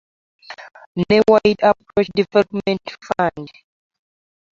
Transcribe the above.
Ne Wide Approach development Fund